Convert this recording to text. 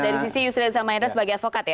dari sisi yusril zamahendra sebagai advokat ya